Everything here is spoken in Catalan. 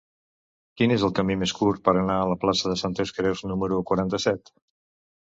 Quin és el camí més curt per anar a la plaça de Santes Creus número quaranta-set?